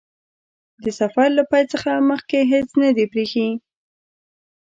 د سفر له پیل څخه مخکې هیڅ نه دي پرې ايښي.